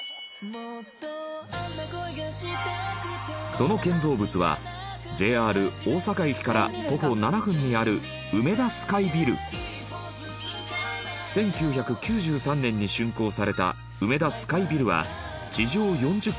その建造物はＪＲ大阪駅から徒歩７分にある１９９３年に竣工された梅田スカイビルは地上４０階